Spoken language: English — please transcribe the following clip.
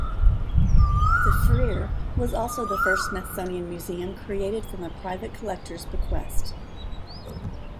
The Freer was also the first Smithsonian museum created from a private collector's bequest.